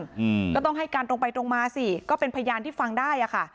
อืมก็ต้องให้การตรงไปตรงมาสิก็เป็นพยานที่ฟังได้อ่ะค่ะ